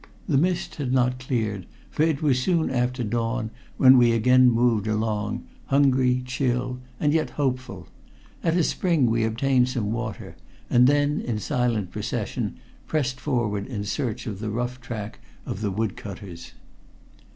The mist had not cleared, for it was soon after dawn when we again moved along, hungry, chill, and yet hopeful. At a spring we obtained some water, and then, in silent procession, pressed forward in search of the rough track of the woodcutters.